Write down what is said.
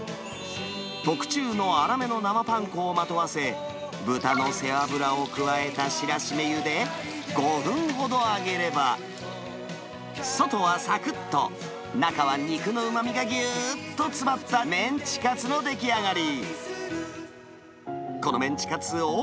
特注の粗めの生パン粉をまとわせ、豚の背脂を加えた白絞油で、５分ほど揚げれば、外はさくっと、中は肉のうまみがぎゅーっと詰まったメンチカツの出来上がり。